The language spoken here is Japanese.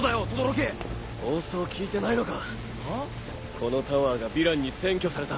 このタワーがヴィランに占拠された。